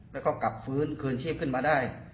แล้วก็กลับฟื้นคืนชีพขึ้นมาได้